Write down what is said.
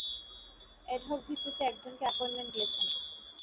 Ad hoc ভিত্তিতে একজনকে appointment দিয়েছেন।